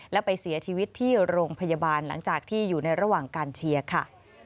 และไปเสียชีวิตที่โรงพยาบาลหลังจากที่อยู่ในระหว่างการเชียร์ค่ะ